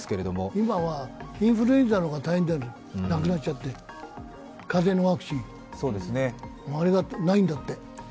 今はインフルエンザの肩が大変じゃない、なくなっちゃって風邪のワクチン、あれがないんだって。